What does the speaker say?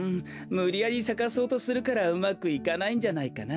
むりやりさかそうとするからうまくいかないんじゃないかな？